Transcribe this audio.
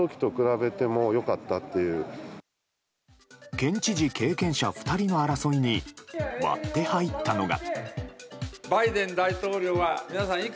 県知事経験者２人の争いに割って入ったのが。